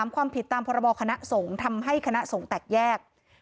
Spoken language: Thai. ความผิดตามพรบคณะสงฆ์ทำให้คณะสงฆ์แตกแยก